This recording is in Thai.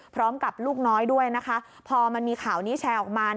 ลูกน้อยด้วยนะคะพอมันมีข่าวนี้แชร์ออกมา